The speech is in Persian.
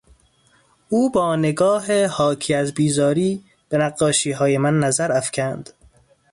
او با نگاه حاکی از بیزاری به نقاشیهای من نظر افکند.